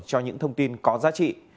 cho những thông tin có giá trị